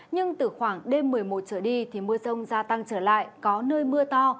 nhưng từ khoảng đêm một mươi một trở đi thì mưa rông gia tăng trở lại có nơi mưa to